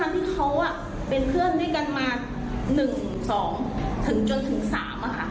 สามเหตุค่ะเขาอาจจะแบบด้วยด้วยค่ะที่เขาอ่ะเป็นเพื่อนด้วยกันมาหนึ่งสองถึงจนถึงสามอ่ะค่ะ